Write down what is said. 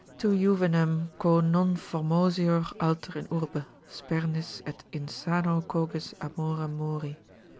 Tu juvenem, quo non formosior alter in urbe, Spernis, et insano cogis amore mori.